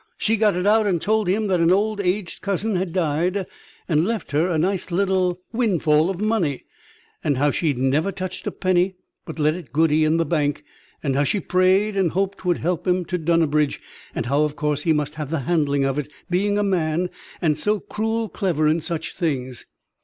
She got it out, and told him that an old, aged cousin had died, and left her a nice little skuat of money; and how she'd never touched a penny but let it goody in the bank; and how she prayed and hoped 'twould help 'em to Dunnabridge; and how, of course, he must have the handling of it, being a man, and so cruel clever in such things.